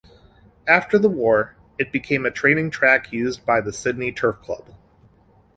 After the war, it became a training track used by the Sydney Turf Club.